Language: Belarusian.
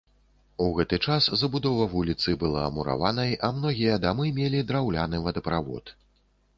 У гэты час забудова вуліцы была мураванай, а многія дамы мелі драўляны водаправод.